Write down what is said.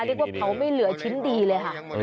เรียกว่าเผาไม่เหลือชิ้นดีเลยค่ะ